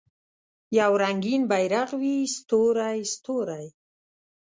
یو رنګین بیرغ وي ستوری، ستوری